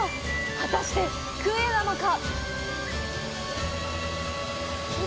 果たして、クエなのか。